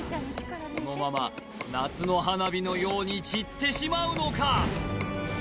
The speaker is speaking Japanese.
このまま夏の花火のように散ってしまうのか？